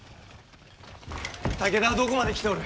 武田はどこまで来ておる。